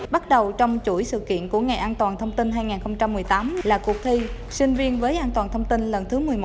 bắt đầu trong chuỗi sự kiện của ngày an toàn thông tin hai nghìn một mươi tám là cuộc thi sinh viên với an toàn thông tin lần thứ một mươi một